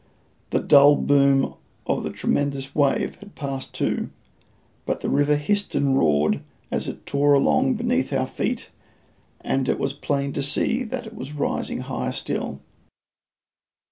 The dull boom of the tremendous wave had passed too, but the river hissed and roared as it tore along beneath our feet, and it was plain to see that it was rising higher still.